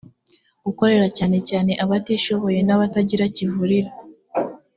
ukorera cyane cyane abatishoboye n’abatagira kivurira